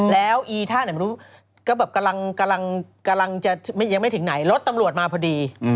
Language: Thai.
แล้วอีท่าไหนไม่รู้ก็แบบกำลังจะยังไม่ถึงไหนรถตำรวจมาพอดี